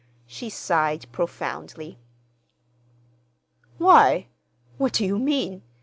She sighed profoundly. "Why? What do you mean?